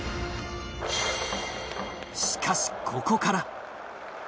しかしここから。